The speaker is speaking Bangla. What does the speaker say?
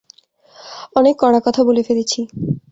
অনেক কড়া কথা বলে ফেলেছি।